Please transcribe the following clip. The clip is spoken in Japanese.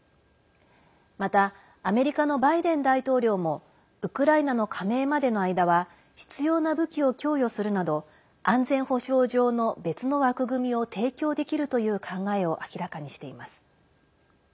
またアメリカのバイデン大統領もウクライナの加盟までの間は必要な武器を供与するなど安全保障上の別の枠組みを提供できるという考えを明らかにしています。